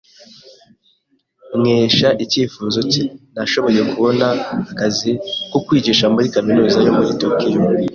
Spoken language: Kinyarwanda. Nkesha icyifuzo cye, nashoboye kubona akazi ko kwigisha muri kaminuza yo muri Tokiyo.